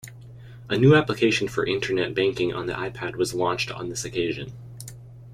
A new application for internet banking on the iPad was launched on this occasion.